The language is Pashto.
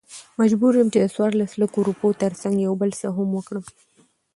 مجبور يم چې دڅورلسو لکو، روپيو ترڅنګ يو بل څه هم وکړم .